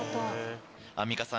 アンミカさん